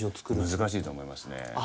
難しいと思いますね。